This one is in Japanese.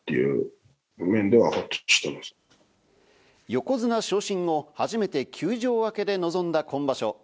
横綱昇進後、初めて休場明けで臨んだ今場所。